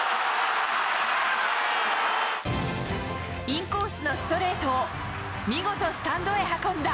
インコースのストレートを、見事スタンドへ運んだ。